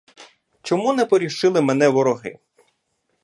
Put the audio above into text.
Чому не порішили мене вороги?